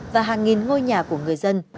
và hàng nghìn ngôi nhà của người dân